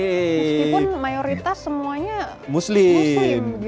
meskipun mayoritas semuanya muslim